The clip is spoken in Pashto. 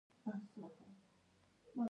هو، تکنالوجی ډیره ګټوره ده